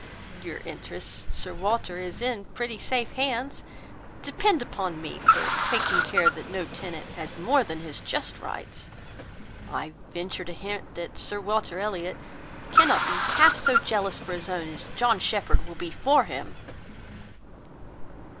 Your interest, Sir Walter, is in pretty safe hands. Depend upon me for taking care that no tenant has more than his just rights. I venture to hint, that Sir Walter Elliot cannot be half so jealous for his own, as John Shepherd will be for him."